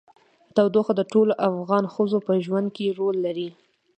تودوخه د ټولو افغان ښځو په ژوند کې رول لري.